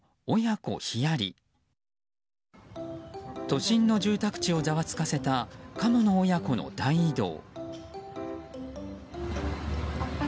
都心の住宅地をざわつかせたカモの親子の大移動。